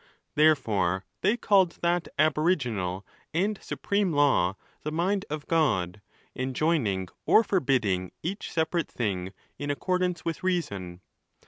Therefore they called that aboriginal and supreme law. the mind of God, enjoining or forbidding each separate thing in accordance with reason.